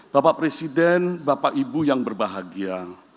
bapak presiden bapak ibu yang berbahagia